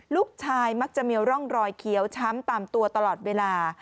ลูกชายมักจะมีร่องรอยเขียวช้ำตามตัวตลอดเวลา